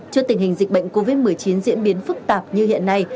trước tình hình dịch bệnh covid một mươi chín diễn biến phức tạp như hiện nay